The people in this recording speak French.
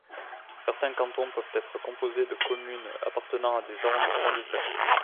Certains cantons peuvent être composés de communes appartenant à des arrondissements différents.